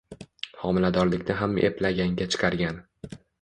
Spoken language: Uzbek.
Homiladorlikni ham eplaganga chiqargan